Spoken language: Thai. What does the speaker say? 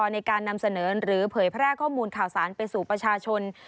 ในการนำเสนอหรือเผยแพร่ข้อมูลข่าวสารไปสู่ประชาชน